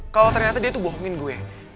kalau ternyata dia tuh bohongin gue